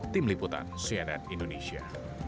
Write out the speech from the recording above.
tim liputan cnn indonesia